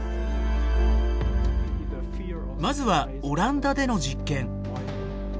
まずはオランダでの実験。